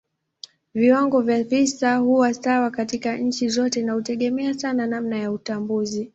Viwango vya visa huwa sawa katika nchi zote na hutegemea sana namna ya utambuzi.